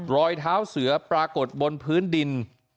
รอยเท้าเสือปรากฏบนพื้นดิน